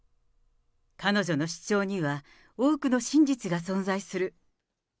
彼女の主張には、多くの真実が存在する。